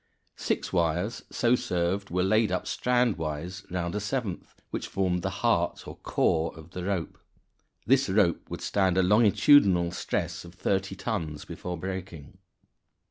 Six wires so served were laid up strandwise round a seventh, which formed the heart, or core, of the rope. This rope would stand a longitudinal stress of 30 tons before breaking.